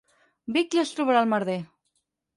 Vic ja es trobarà el merder.